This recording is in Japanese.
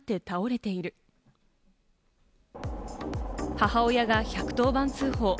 母親が１１０番通報。